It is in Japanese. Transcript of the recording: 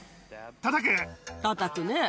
たたくねぇ。